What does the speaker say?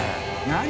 何？